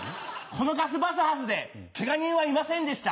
このガスバスハスでけが人はいませんでした。